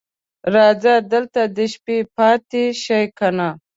راځه دلته د شپې پاتې شه کنه